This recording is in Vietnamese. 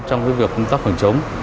trong việc công tác hoàn chống